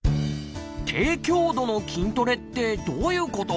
「低強度の筋トレ」ってどういうこと？